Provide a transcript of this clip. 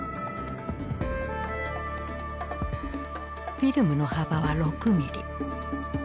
フィルムの幅は６ミリ。